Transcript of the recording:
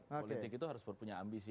politik itu harus punya ambisi